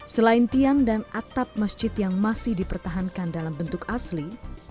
selain tiang dan atap masjid yang masih dipertahankan dalam bentuk asli